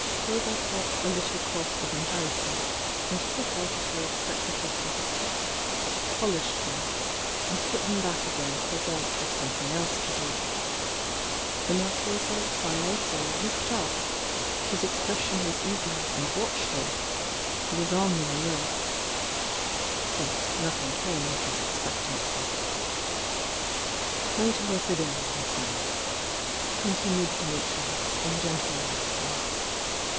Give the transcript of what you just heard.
Chauvet coughed a little cough of embarrassment, and took out a pair of spectacles from his pocket, polished them and put them back again for want of something else to do. Tiie Marchese Famese THE YOUNG DIANA 135 looked up, — his expression was eager and watchful — ^he was on the alert. But nothing came of his expectancy. "Play to us again, Miss May," continued Dimit rius in gentler accents.